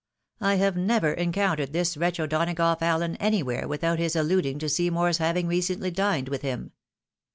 I have never encountered this wretch O'Donagough Allen anywhere without his alluding to Seymour's having recently dined with him.